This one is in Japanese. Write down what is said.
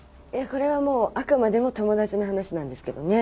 これはもうあくまでも友達の話なんですけどね。